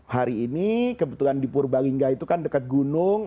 hari ini kebetulan di purbalingga itu kan dekat gunung